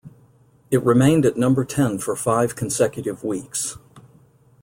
It remained at number ten for five consecutive weeks.